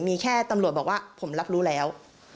มีแค่ตำรวจบอกว่าผมรับรู้แล้ว